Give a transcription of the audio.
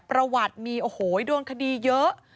ประวัติมีโดนคดีเยอะ